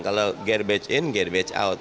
kalau garbage in garbage out